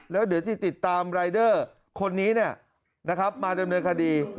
แล้วเดี๋ยวจะติดตามรายเดอร์คนนี้เนี่ยนะครับมาดำเนินคดี